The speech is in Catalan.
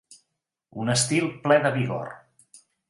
Un estil ple de vigor.